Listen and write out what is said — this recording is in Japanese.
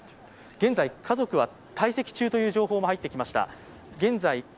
現在、家族は退席中という情報も入ってきました。